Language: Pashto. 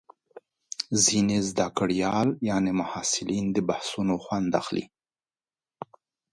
ځینې محصلین د بحثونو خوند اخلي.